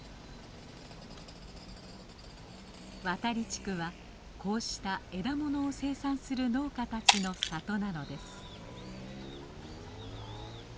渡利地区はこうした枝ものを生産する農家たちの里なのです。